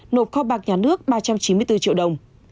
nộp kho bạc nhà nước ba trăm chín mươi bốn triệu đồng